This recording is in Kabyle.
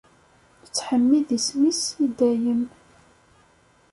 Nettḥemmid isem-is i dayem.